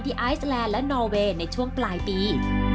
ไอซ์แลนด์และนอเวย์ในช่วงปลายปี